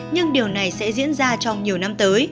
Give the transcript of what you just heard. nhưng điều này sẽ diễn ra trong nhiều năm tới